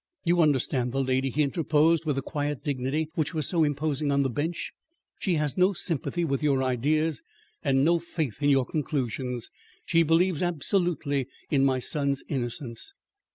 "You understand the lady," he interposed, with the quiet dignity which was so imposing on the bench. "She has no sympathy with your ideas and no faith in your conclusions. She believes absolutely in my son's innocence."